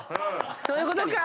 そういうことか。